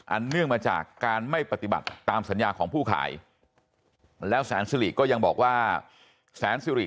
เนื่องมาจากการไม่ปฏิบัติตามสัญญาของผู้ขายแล้วแสนสิริก็ยังบอกว่าแสนสิริ